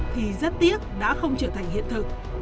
thì rất tiếc đã không trở thành hiện thực